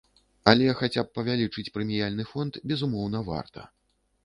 Але хаця б павялічыць прэміяльны фонд, безумоўна, варта.